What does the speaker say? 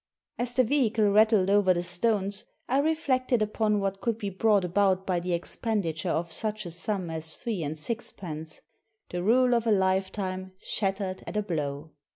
As the vehicle rattled over the stones I reflected upon what could be brought about by the expenditure of such a sum as three and sixpence — ^the rule of a life time shattered at a blow!